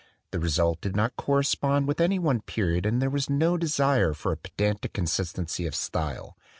The result did not correspond with any one period and there was no desire for pe dantic consistency of style.